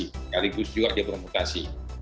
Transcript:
sekaligus juga dia bermutasi